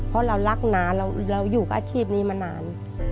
เพราะเรารักน้าเราอยู่กับอาชีพนี้มานาน